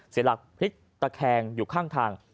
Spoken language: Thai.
เสียหลักพลิกตะแคงอยู่ข้างทาง